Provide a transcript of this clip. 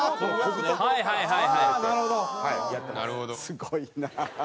すごいな。